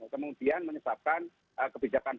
kemudian menyebabkan kebijakan